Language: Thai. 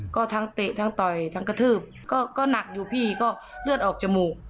ก็ทั้งเตะทั้งต่อยทั้งกระทืบก็หนักอยู่พี่ก็เลือดออกจมูก